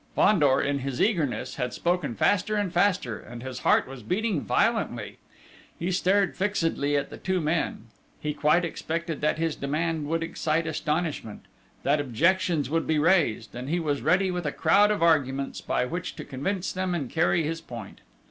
Fandor, in his eagerness, had spoken faster and faster, and his heart was beating violently. He stared fixedly at the two men; he quite expected that his demand would excite astonishment; that objections would be raised; and he was ready with a crowd of arguments by which to convince them and carry his point....